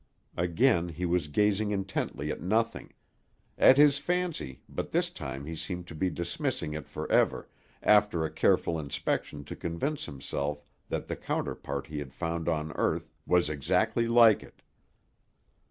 Again he was gazing intently at nothing; at his fancy, but this time he seemed to be dismissing it forever, after a careful inspection to convince himself that the counterpart he had found on earth was exactly like it.